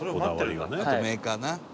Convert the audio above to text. あとメーカーな」